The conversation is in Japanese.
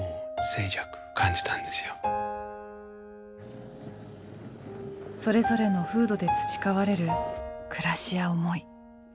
それぞれの風土で培われる暮らしや思い。